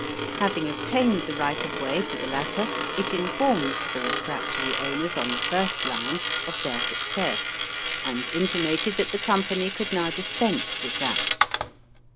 Having obtained the right of way for the latter, it informed the refractory owners on the first line of their success, and intimated that the Company could now dispense with that.